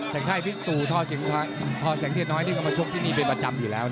แต่งค่ายบิ๊กตู่ทอแสงเทียนน้อยนี่ก็มาชกที่นี่เป็นประจำอยู่แล้ว